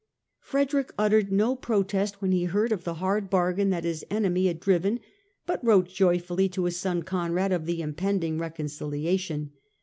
Frederick uttered no protest when he heard of the hard bargain that his enemy had driven, but wrote joyfully to his son Conrad of the impending reconciliation.